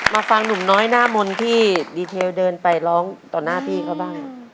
มาฟังหนุ่มน้อยหน้ามนต์ที่ดีเทลเดินไปร้องต่อหน้าพี่เขาบ้าง